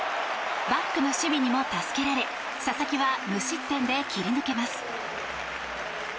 バックの守備にも助けられ佐々木は無失点で切り抜けます。